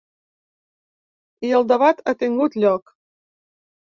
I el debat ha tingut lloc.